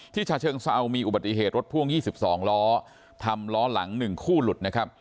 ชาเชิงเซามีอุบัติเหตุรถพ่วง๒๒ล้อทำล้อหลัง๑คู่หลุดนะครับ